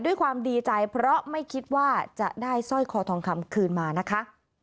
ด้วยความดีใจเพราะไม่คิดว่าจะได้สร้อยคอทองคำคืนมานะคะ